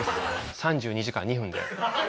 「３２時間２分」？